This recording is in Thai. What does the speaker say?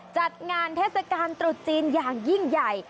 จัดงานเทศกาลตรุษจีนอย่างยิ่งใหญ่